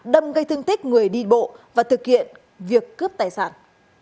đâm gây thương tích người đi bộ và thực hiện việc cướp tài sản